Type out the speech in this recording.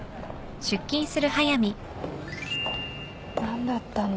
何だったんだ？